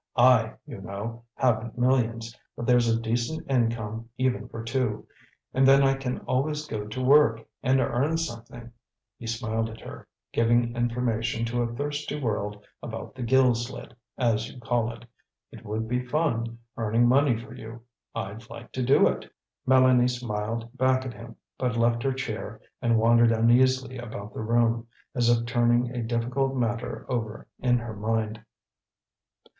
"I, you know, haven't millions, but there's a decent income, even for two. And then I can always go to work and earn something," he smiled at her, "giving information to a thirsty world about the gill slit, as you call it. It would be fun, earning money for you; I'd like to do it." Mélanie smiled back at him, but left her chair and wandered uneasily about the room, as if turning a difficult matter over in her mind.